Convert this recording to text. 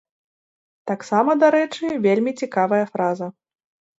Таксама, дарэчы, вельмі цікавая фраза.